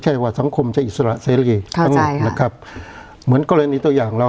ใช่ว่าสังคมจะอิสระเสรีครับเหมือนกรณีตัวอย่างเรา